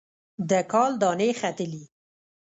د کال دانې ختلي